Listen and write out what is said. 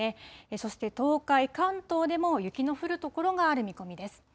そして東海、関東でも雪の降る所がある見込みです。